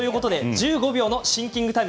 １５秒のシンキングタイム。